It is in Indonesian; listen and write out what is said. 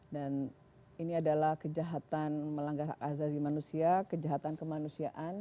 dan ini adalah kejahatan melanggar hak azazi manusia kejahatan kemanusiaan